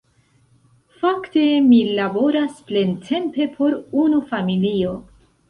Fakte, mi laboras plentempe por unu familio.